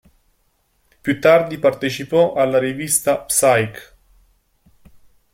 Più tardi, partecipò alla rivista "Psyché.